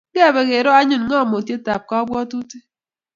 Ngebe kero anyun ngamotiotab kabwatutik